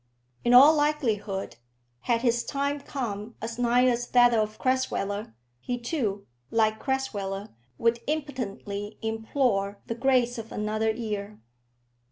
In all likelihood, had his time come as nigh as that of Crasweller, he too, like Crasweller, would impotently implore the grace of another year.